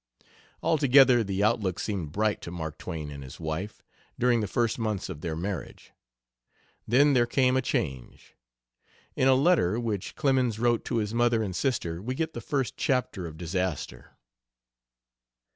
Altogether, the outlook seemed bright to Mark Twain and his wife, during the first months of their marriage. Then there came a change. In a letter which Clemens wrote to his mother and sister we get the first chapter of disaster.